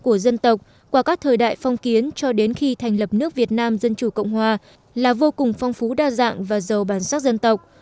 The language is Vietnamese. của dân tộc qua các thời đại phong kiến cho đến khi thành lập nước việt nam dân chủ cộng hòa là vô cùng phong phú đa dạng và giàu bản sắc dân tộc